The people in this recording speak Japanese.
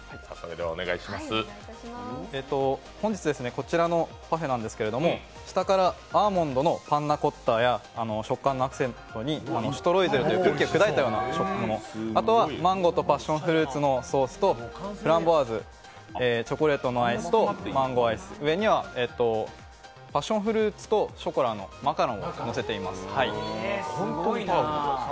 本日、こちらのパフェなんですけれども、下からアーモンドのパンナコッタや食感のアクセントにシュトロイゼルというもの、あとはマンゴーとパッションフルーツのソースとフランボワーズ、チョコレートのアイスとマンゴーアイス、上にはパッションフルーツとショコラアイスをのせています。